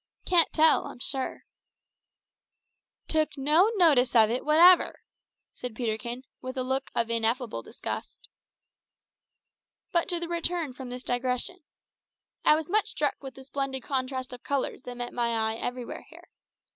"Can't tell, I'm sure." "Took no notice of it whatever!" said Peterkin, with a look of ineffable disgust. But to return from this digression. I was much struck with the splendid contrast of colours that met my eye everywhere here.